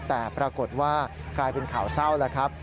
แต่ปรากฏว่ากลายเป็นข่าวเศร้าแล้วครับ